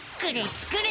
スクれ！